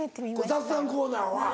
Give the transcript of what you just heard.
雑談コーナーは。